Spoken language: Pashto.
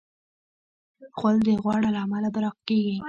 غول د غوړ له امله براق کېږي.